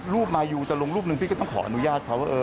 มายูจะลงรูปหนึ่งพี่ก็ต้องขออนุญาตเขาว่า